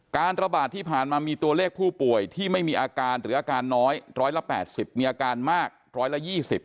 ระบาดที่ผ่านมามีตัวเลขผู้ป่วยที่ไม่มีอาการหรืออาการน้อย๑๘๐มีอาการมากร้อยละ๒๐